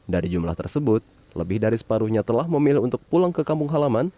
dari jumlah tersebut lebih dari separuhnya telah memilih untuk pulang ke kampung halaman